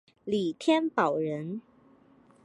李添保人。